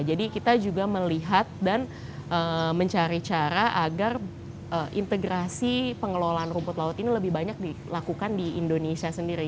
jadi kita juga melihat dan mencari cara agar integrasi pengelolaan rumput laut ini lebih banyak dilakukan di indonesia sendiri